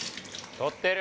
とってる！